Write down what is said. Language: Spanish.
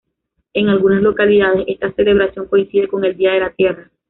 En algunas localidades, esta celebración coincide con el Día de la Tierra.